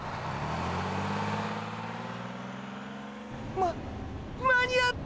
ま間に合った！